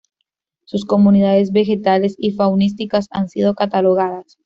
Sus comunidades vegetales y faunísticas han sido catalogadas.